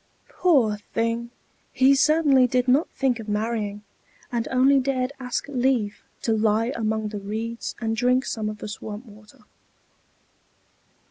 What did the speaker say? Poor thing! he certainly did not think of marrying, and only dared ask leave to lie among the reeds and drink some of the swamp water.